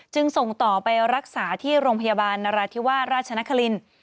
ส่งต่อไปรักษาที่โรงพยาบาลนราธิวาสราชนครินทร์